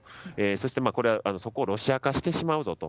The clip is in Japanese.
そして、これはそこをロシア化してしまうぞと。